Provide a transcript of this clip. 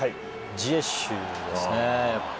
ジエシュ選手ですね。